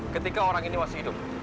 ketika orang ini masih hidup